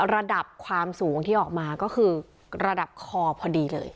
ระดับความสูงที่ออกมาก็คือระดับคอพอดีเลย